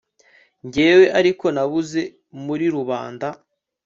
Njyewe ariko nabuze muri rubanda